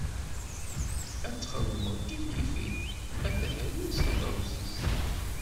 Ad t-txedmeḍ kif kif-it, a tehri-s, a teɣzi-s.